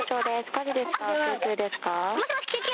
火事ですか、救急ですか。